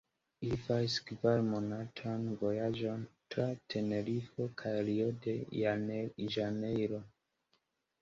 Ili faris kvar-monatan vojaĝon tra Tenerifo kaj Rio-de-Ĵanejro.